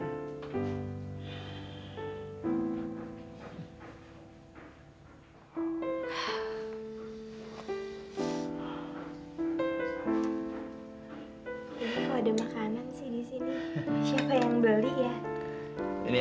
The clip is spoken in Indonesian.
aku gak mau berubah